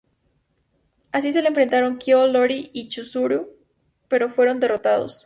Así se les enfrentaron Kyo, Iori y Chizuru, pero fueron derrotados.